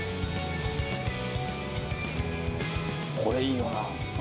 「これいいよな」